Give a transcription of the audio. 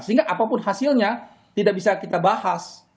sehingga apapun hasilnya tidak bisa kita bahas